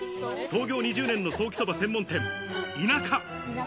創業２０年のソーキそば専門店・田舎。